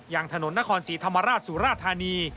อย่างถนนนครศรีธรรมราชสุราธานี